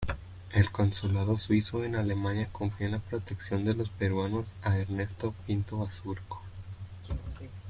El consulado suizo en Alemania confía la protección de los peruanos a Ernesto Pinto-Bazurco.